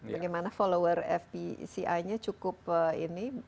bagaimana follower fbci nya cukup ini